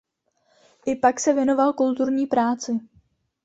I pak se věnoval kulturní práci.